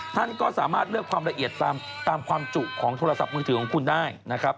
ท่านก็สามารถเลือกความละเอียดตามความจุของโทรศัพท์มือถือของคุณได้นะครับ